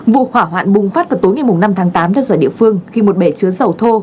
vụ hỏa hoạn bùng phát vào tối ngày năm tháng tám theo giờ địa phương khi một bể chứa dầu thô